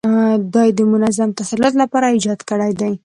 دا یې د منظم تسلط لپاره ایجاد کړي دي.